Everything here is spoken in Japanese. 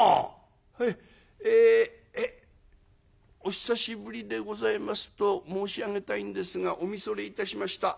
「へいええっお久しぶりでございますと申し上げたいんですがお見それいたしました。